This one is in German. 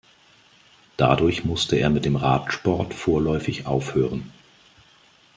Dadurch musste er mit dem Radsport vorläufig aufhören.